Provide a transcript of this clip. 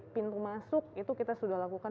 pintu masuk itu sudah kita lakukan